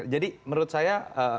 jadi menurut saya